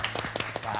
さあ。